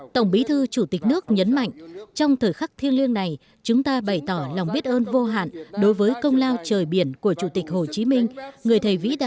tổng bí thư chủ tịch nước nhấn mạnh trong thời khắc thiêng liêng này chúng ta bày tỏ lòng biết ơn vô hạn đối với công lao trời biển của chủ tịch hồ chí minh người